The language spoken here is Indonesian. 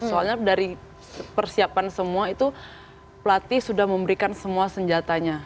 soalnya dari persiapan semua itu pelatih sudah memberikan semua senjatanya